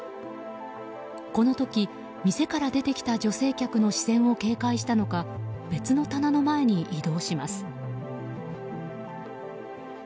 この時、店から出てきた女性客の視線を警戒したのか別の棚の前に移動します。